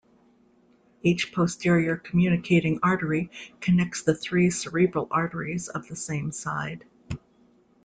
Each posterior communicating artery connects the three cerebral arteries of the same side.